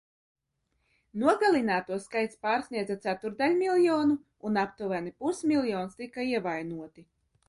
Nogalināto skaits pārsniedza ceturtdaļmiljonu un aptuveni pusmiljons tika ievainoti.